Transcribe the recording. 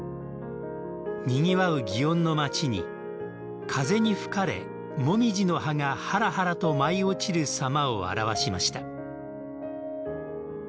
にぎわう祇園の街に風に吹かれ、モミジの葉がはらはらと舞い落ちるさまを表しました。